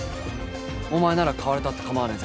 お前なら買われたって構わねえぜ。